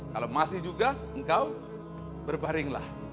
kalau masih juga engkau berbaringlah